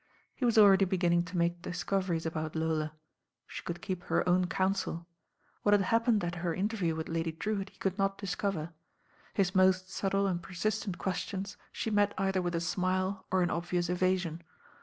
He was already begin ning to make discoveries about Lola. She coul^ keep her own counsel. What had happened at her inter view with Lady Drewitt he could not discover. Hii most subtle and persistent questions she met either with a smile or an obvious evasion.